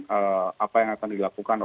dari saya status status dulu lah